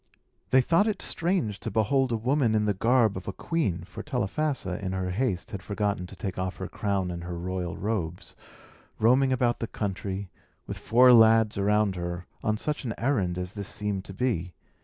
They thought it strange to behold a woman in the garb of a queen (for Telephassa, in her haste, had forgotten to take off her crown and her royal robes), roaming about the country, with four lads around her, on such an errand as this seemed to be.